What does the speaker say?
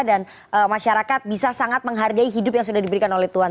dan masyarakat bisa sangat menghargai hidup yang sudah diberikan oleh tuhan